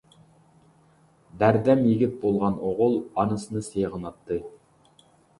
بەردەم يىگىت بولغان ئوغۇل ئانىسىنى سېغىناتتى.